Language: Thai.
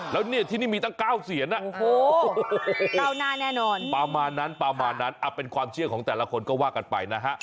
แล้วที่นี่มีตั้งเก้าเสียนะประมาณนั้นเป็นความเชื่อของแต่ละคนก็ว่ากันไปนะฮะ